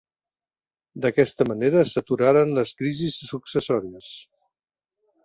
D'aquesta manera s'aturaren les crisis successòries.